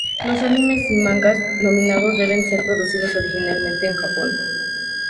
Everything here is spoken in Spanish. Los animes y mangas nominados deben ser producidos originalmente en Japón.